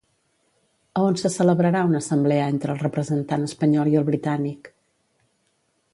A on se celebrarà una assemblea entre el representant espanyol i el britànic?